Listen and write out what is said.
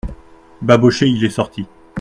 Babochet Il est sorti.